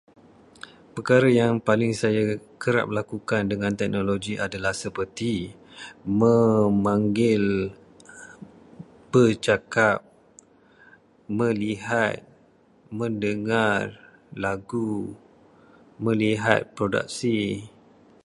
Perkara yang paling kerap saya lakukan dengan teknologi adalah seperti memanggil, bercakap, melihat, mendengar lagu, melihat produksi.